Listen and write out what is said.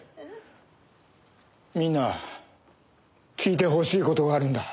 聞いてほしい事があるんだ。